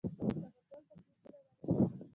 هغه ټول تکلیفونه ولیکل.